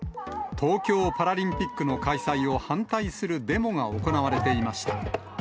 東京パラリンピックの開催を反対するデモが行われていました。